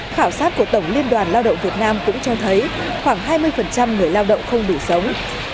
khảo sát của tổng liên đoàn lao động việt nam cũng cho thấy khoảng hai mươi người lao động không đủ sống